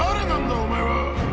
お前は。